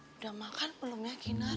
udah makan belum ya kinar